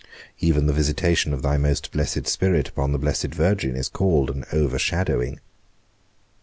Even the visitation of thy most blessed Spirit upon the blessed Virgin, is called an overshadowing.